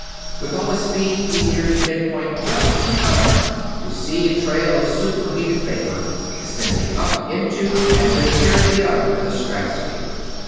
With all his speed, he neared the pin point just in time to see a trail of super heated vapor extending up into and disappearing beyond the stratosphere.